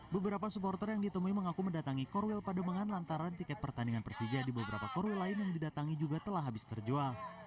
beberapa supporter yang ditemui mengaku mendatangi korwil pademangan lantaran tiket pertandingan persija di beberapa korwil lain yang didatangi juga telah habis terjual